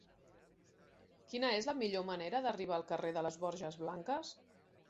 Quina és la millor manera d'arribar al carrer de les Borges Blanques?